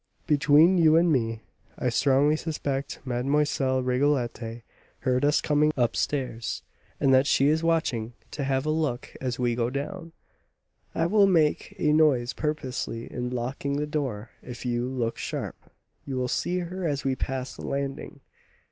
Between you and me, I strongly suspect Mlle. Rigolette heard us coming up stairs, and that she is watching to have a look as we go down. I will make a noise purposely in locking the door; if you look sharp, you will see her as we pass the landing."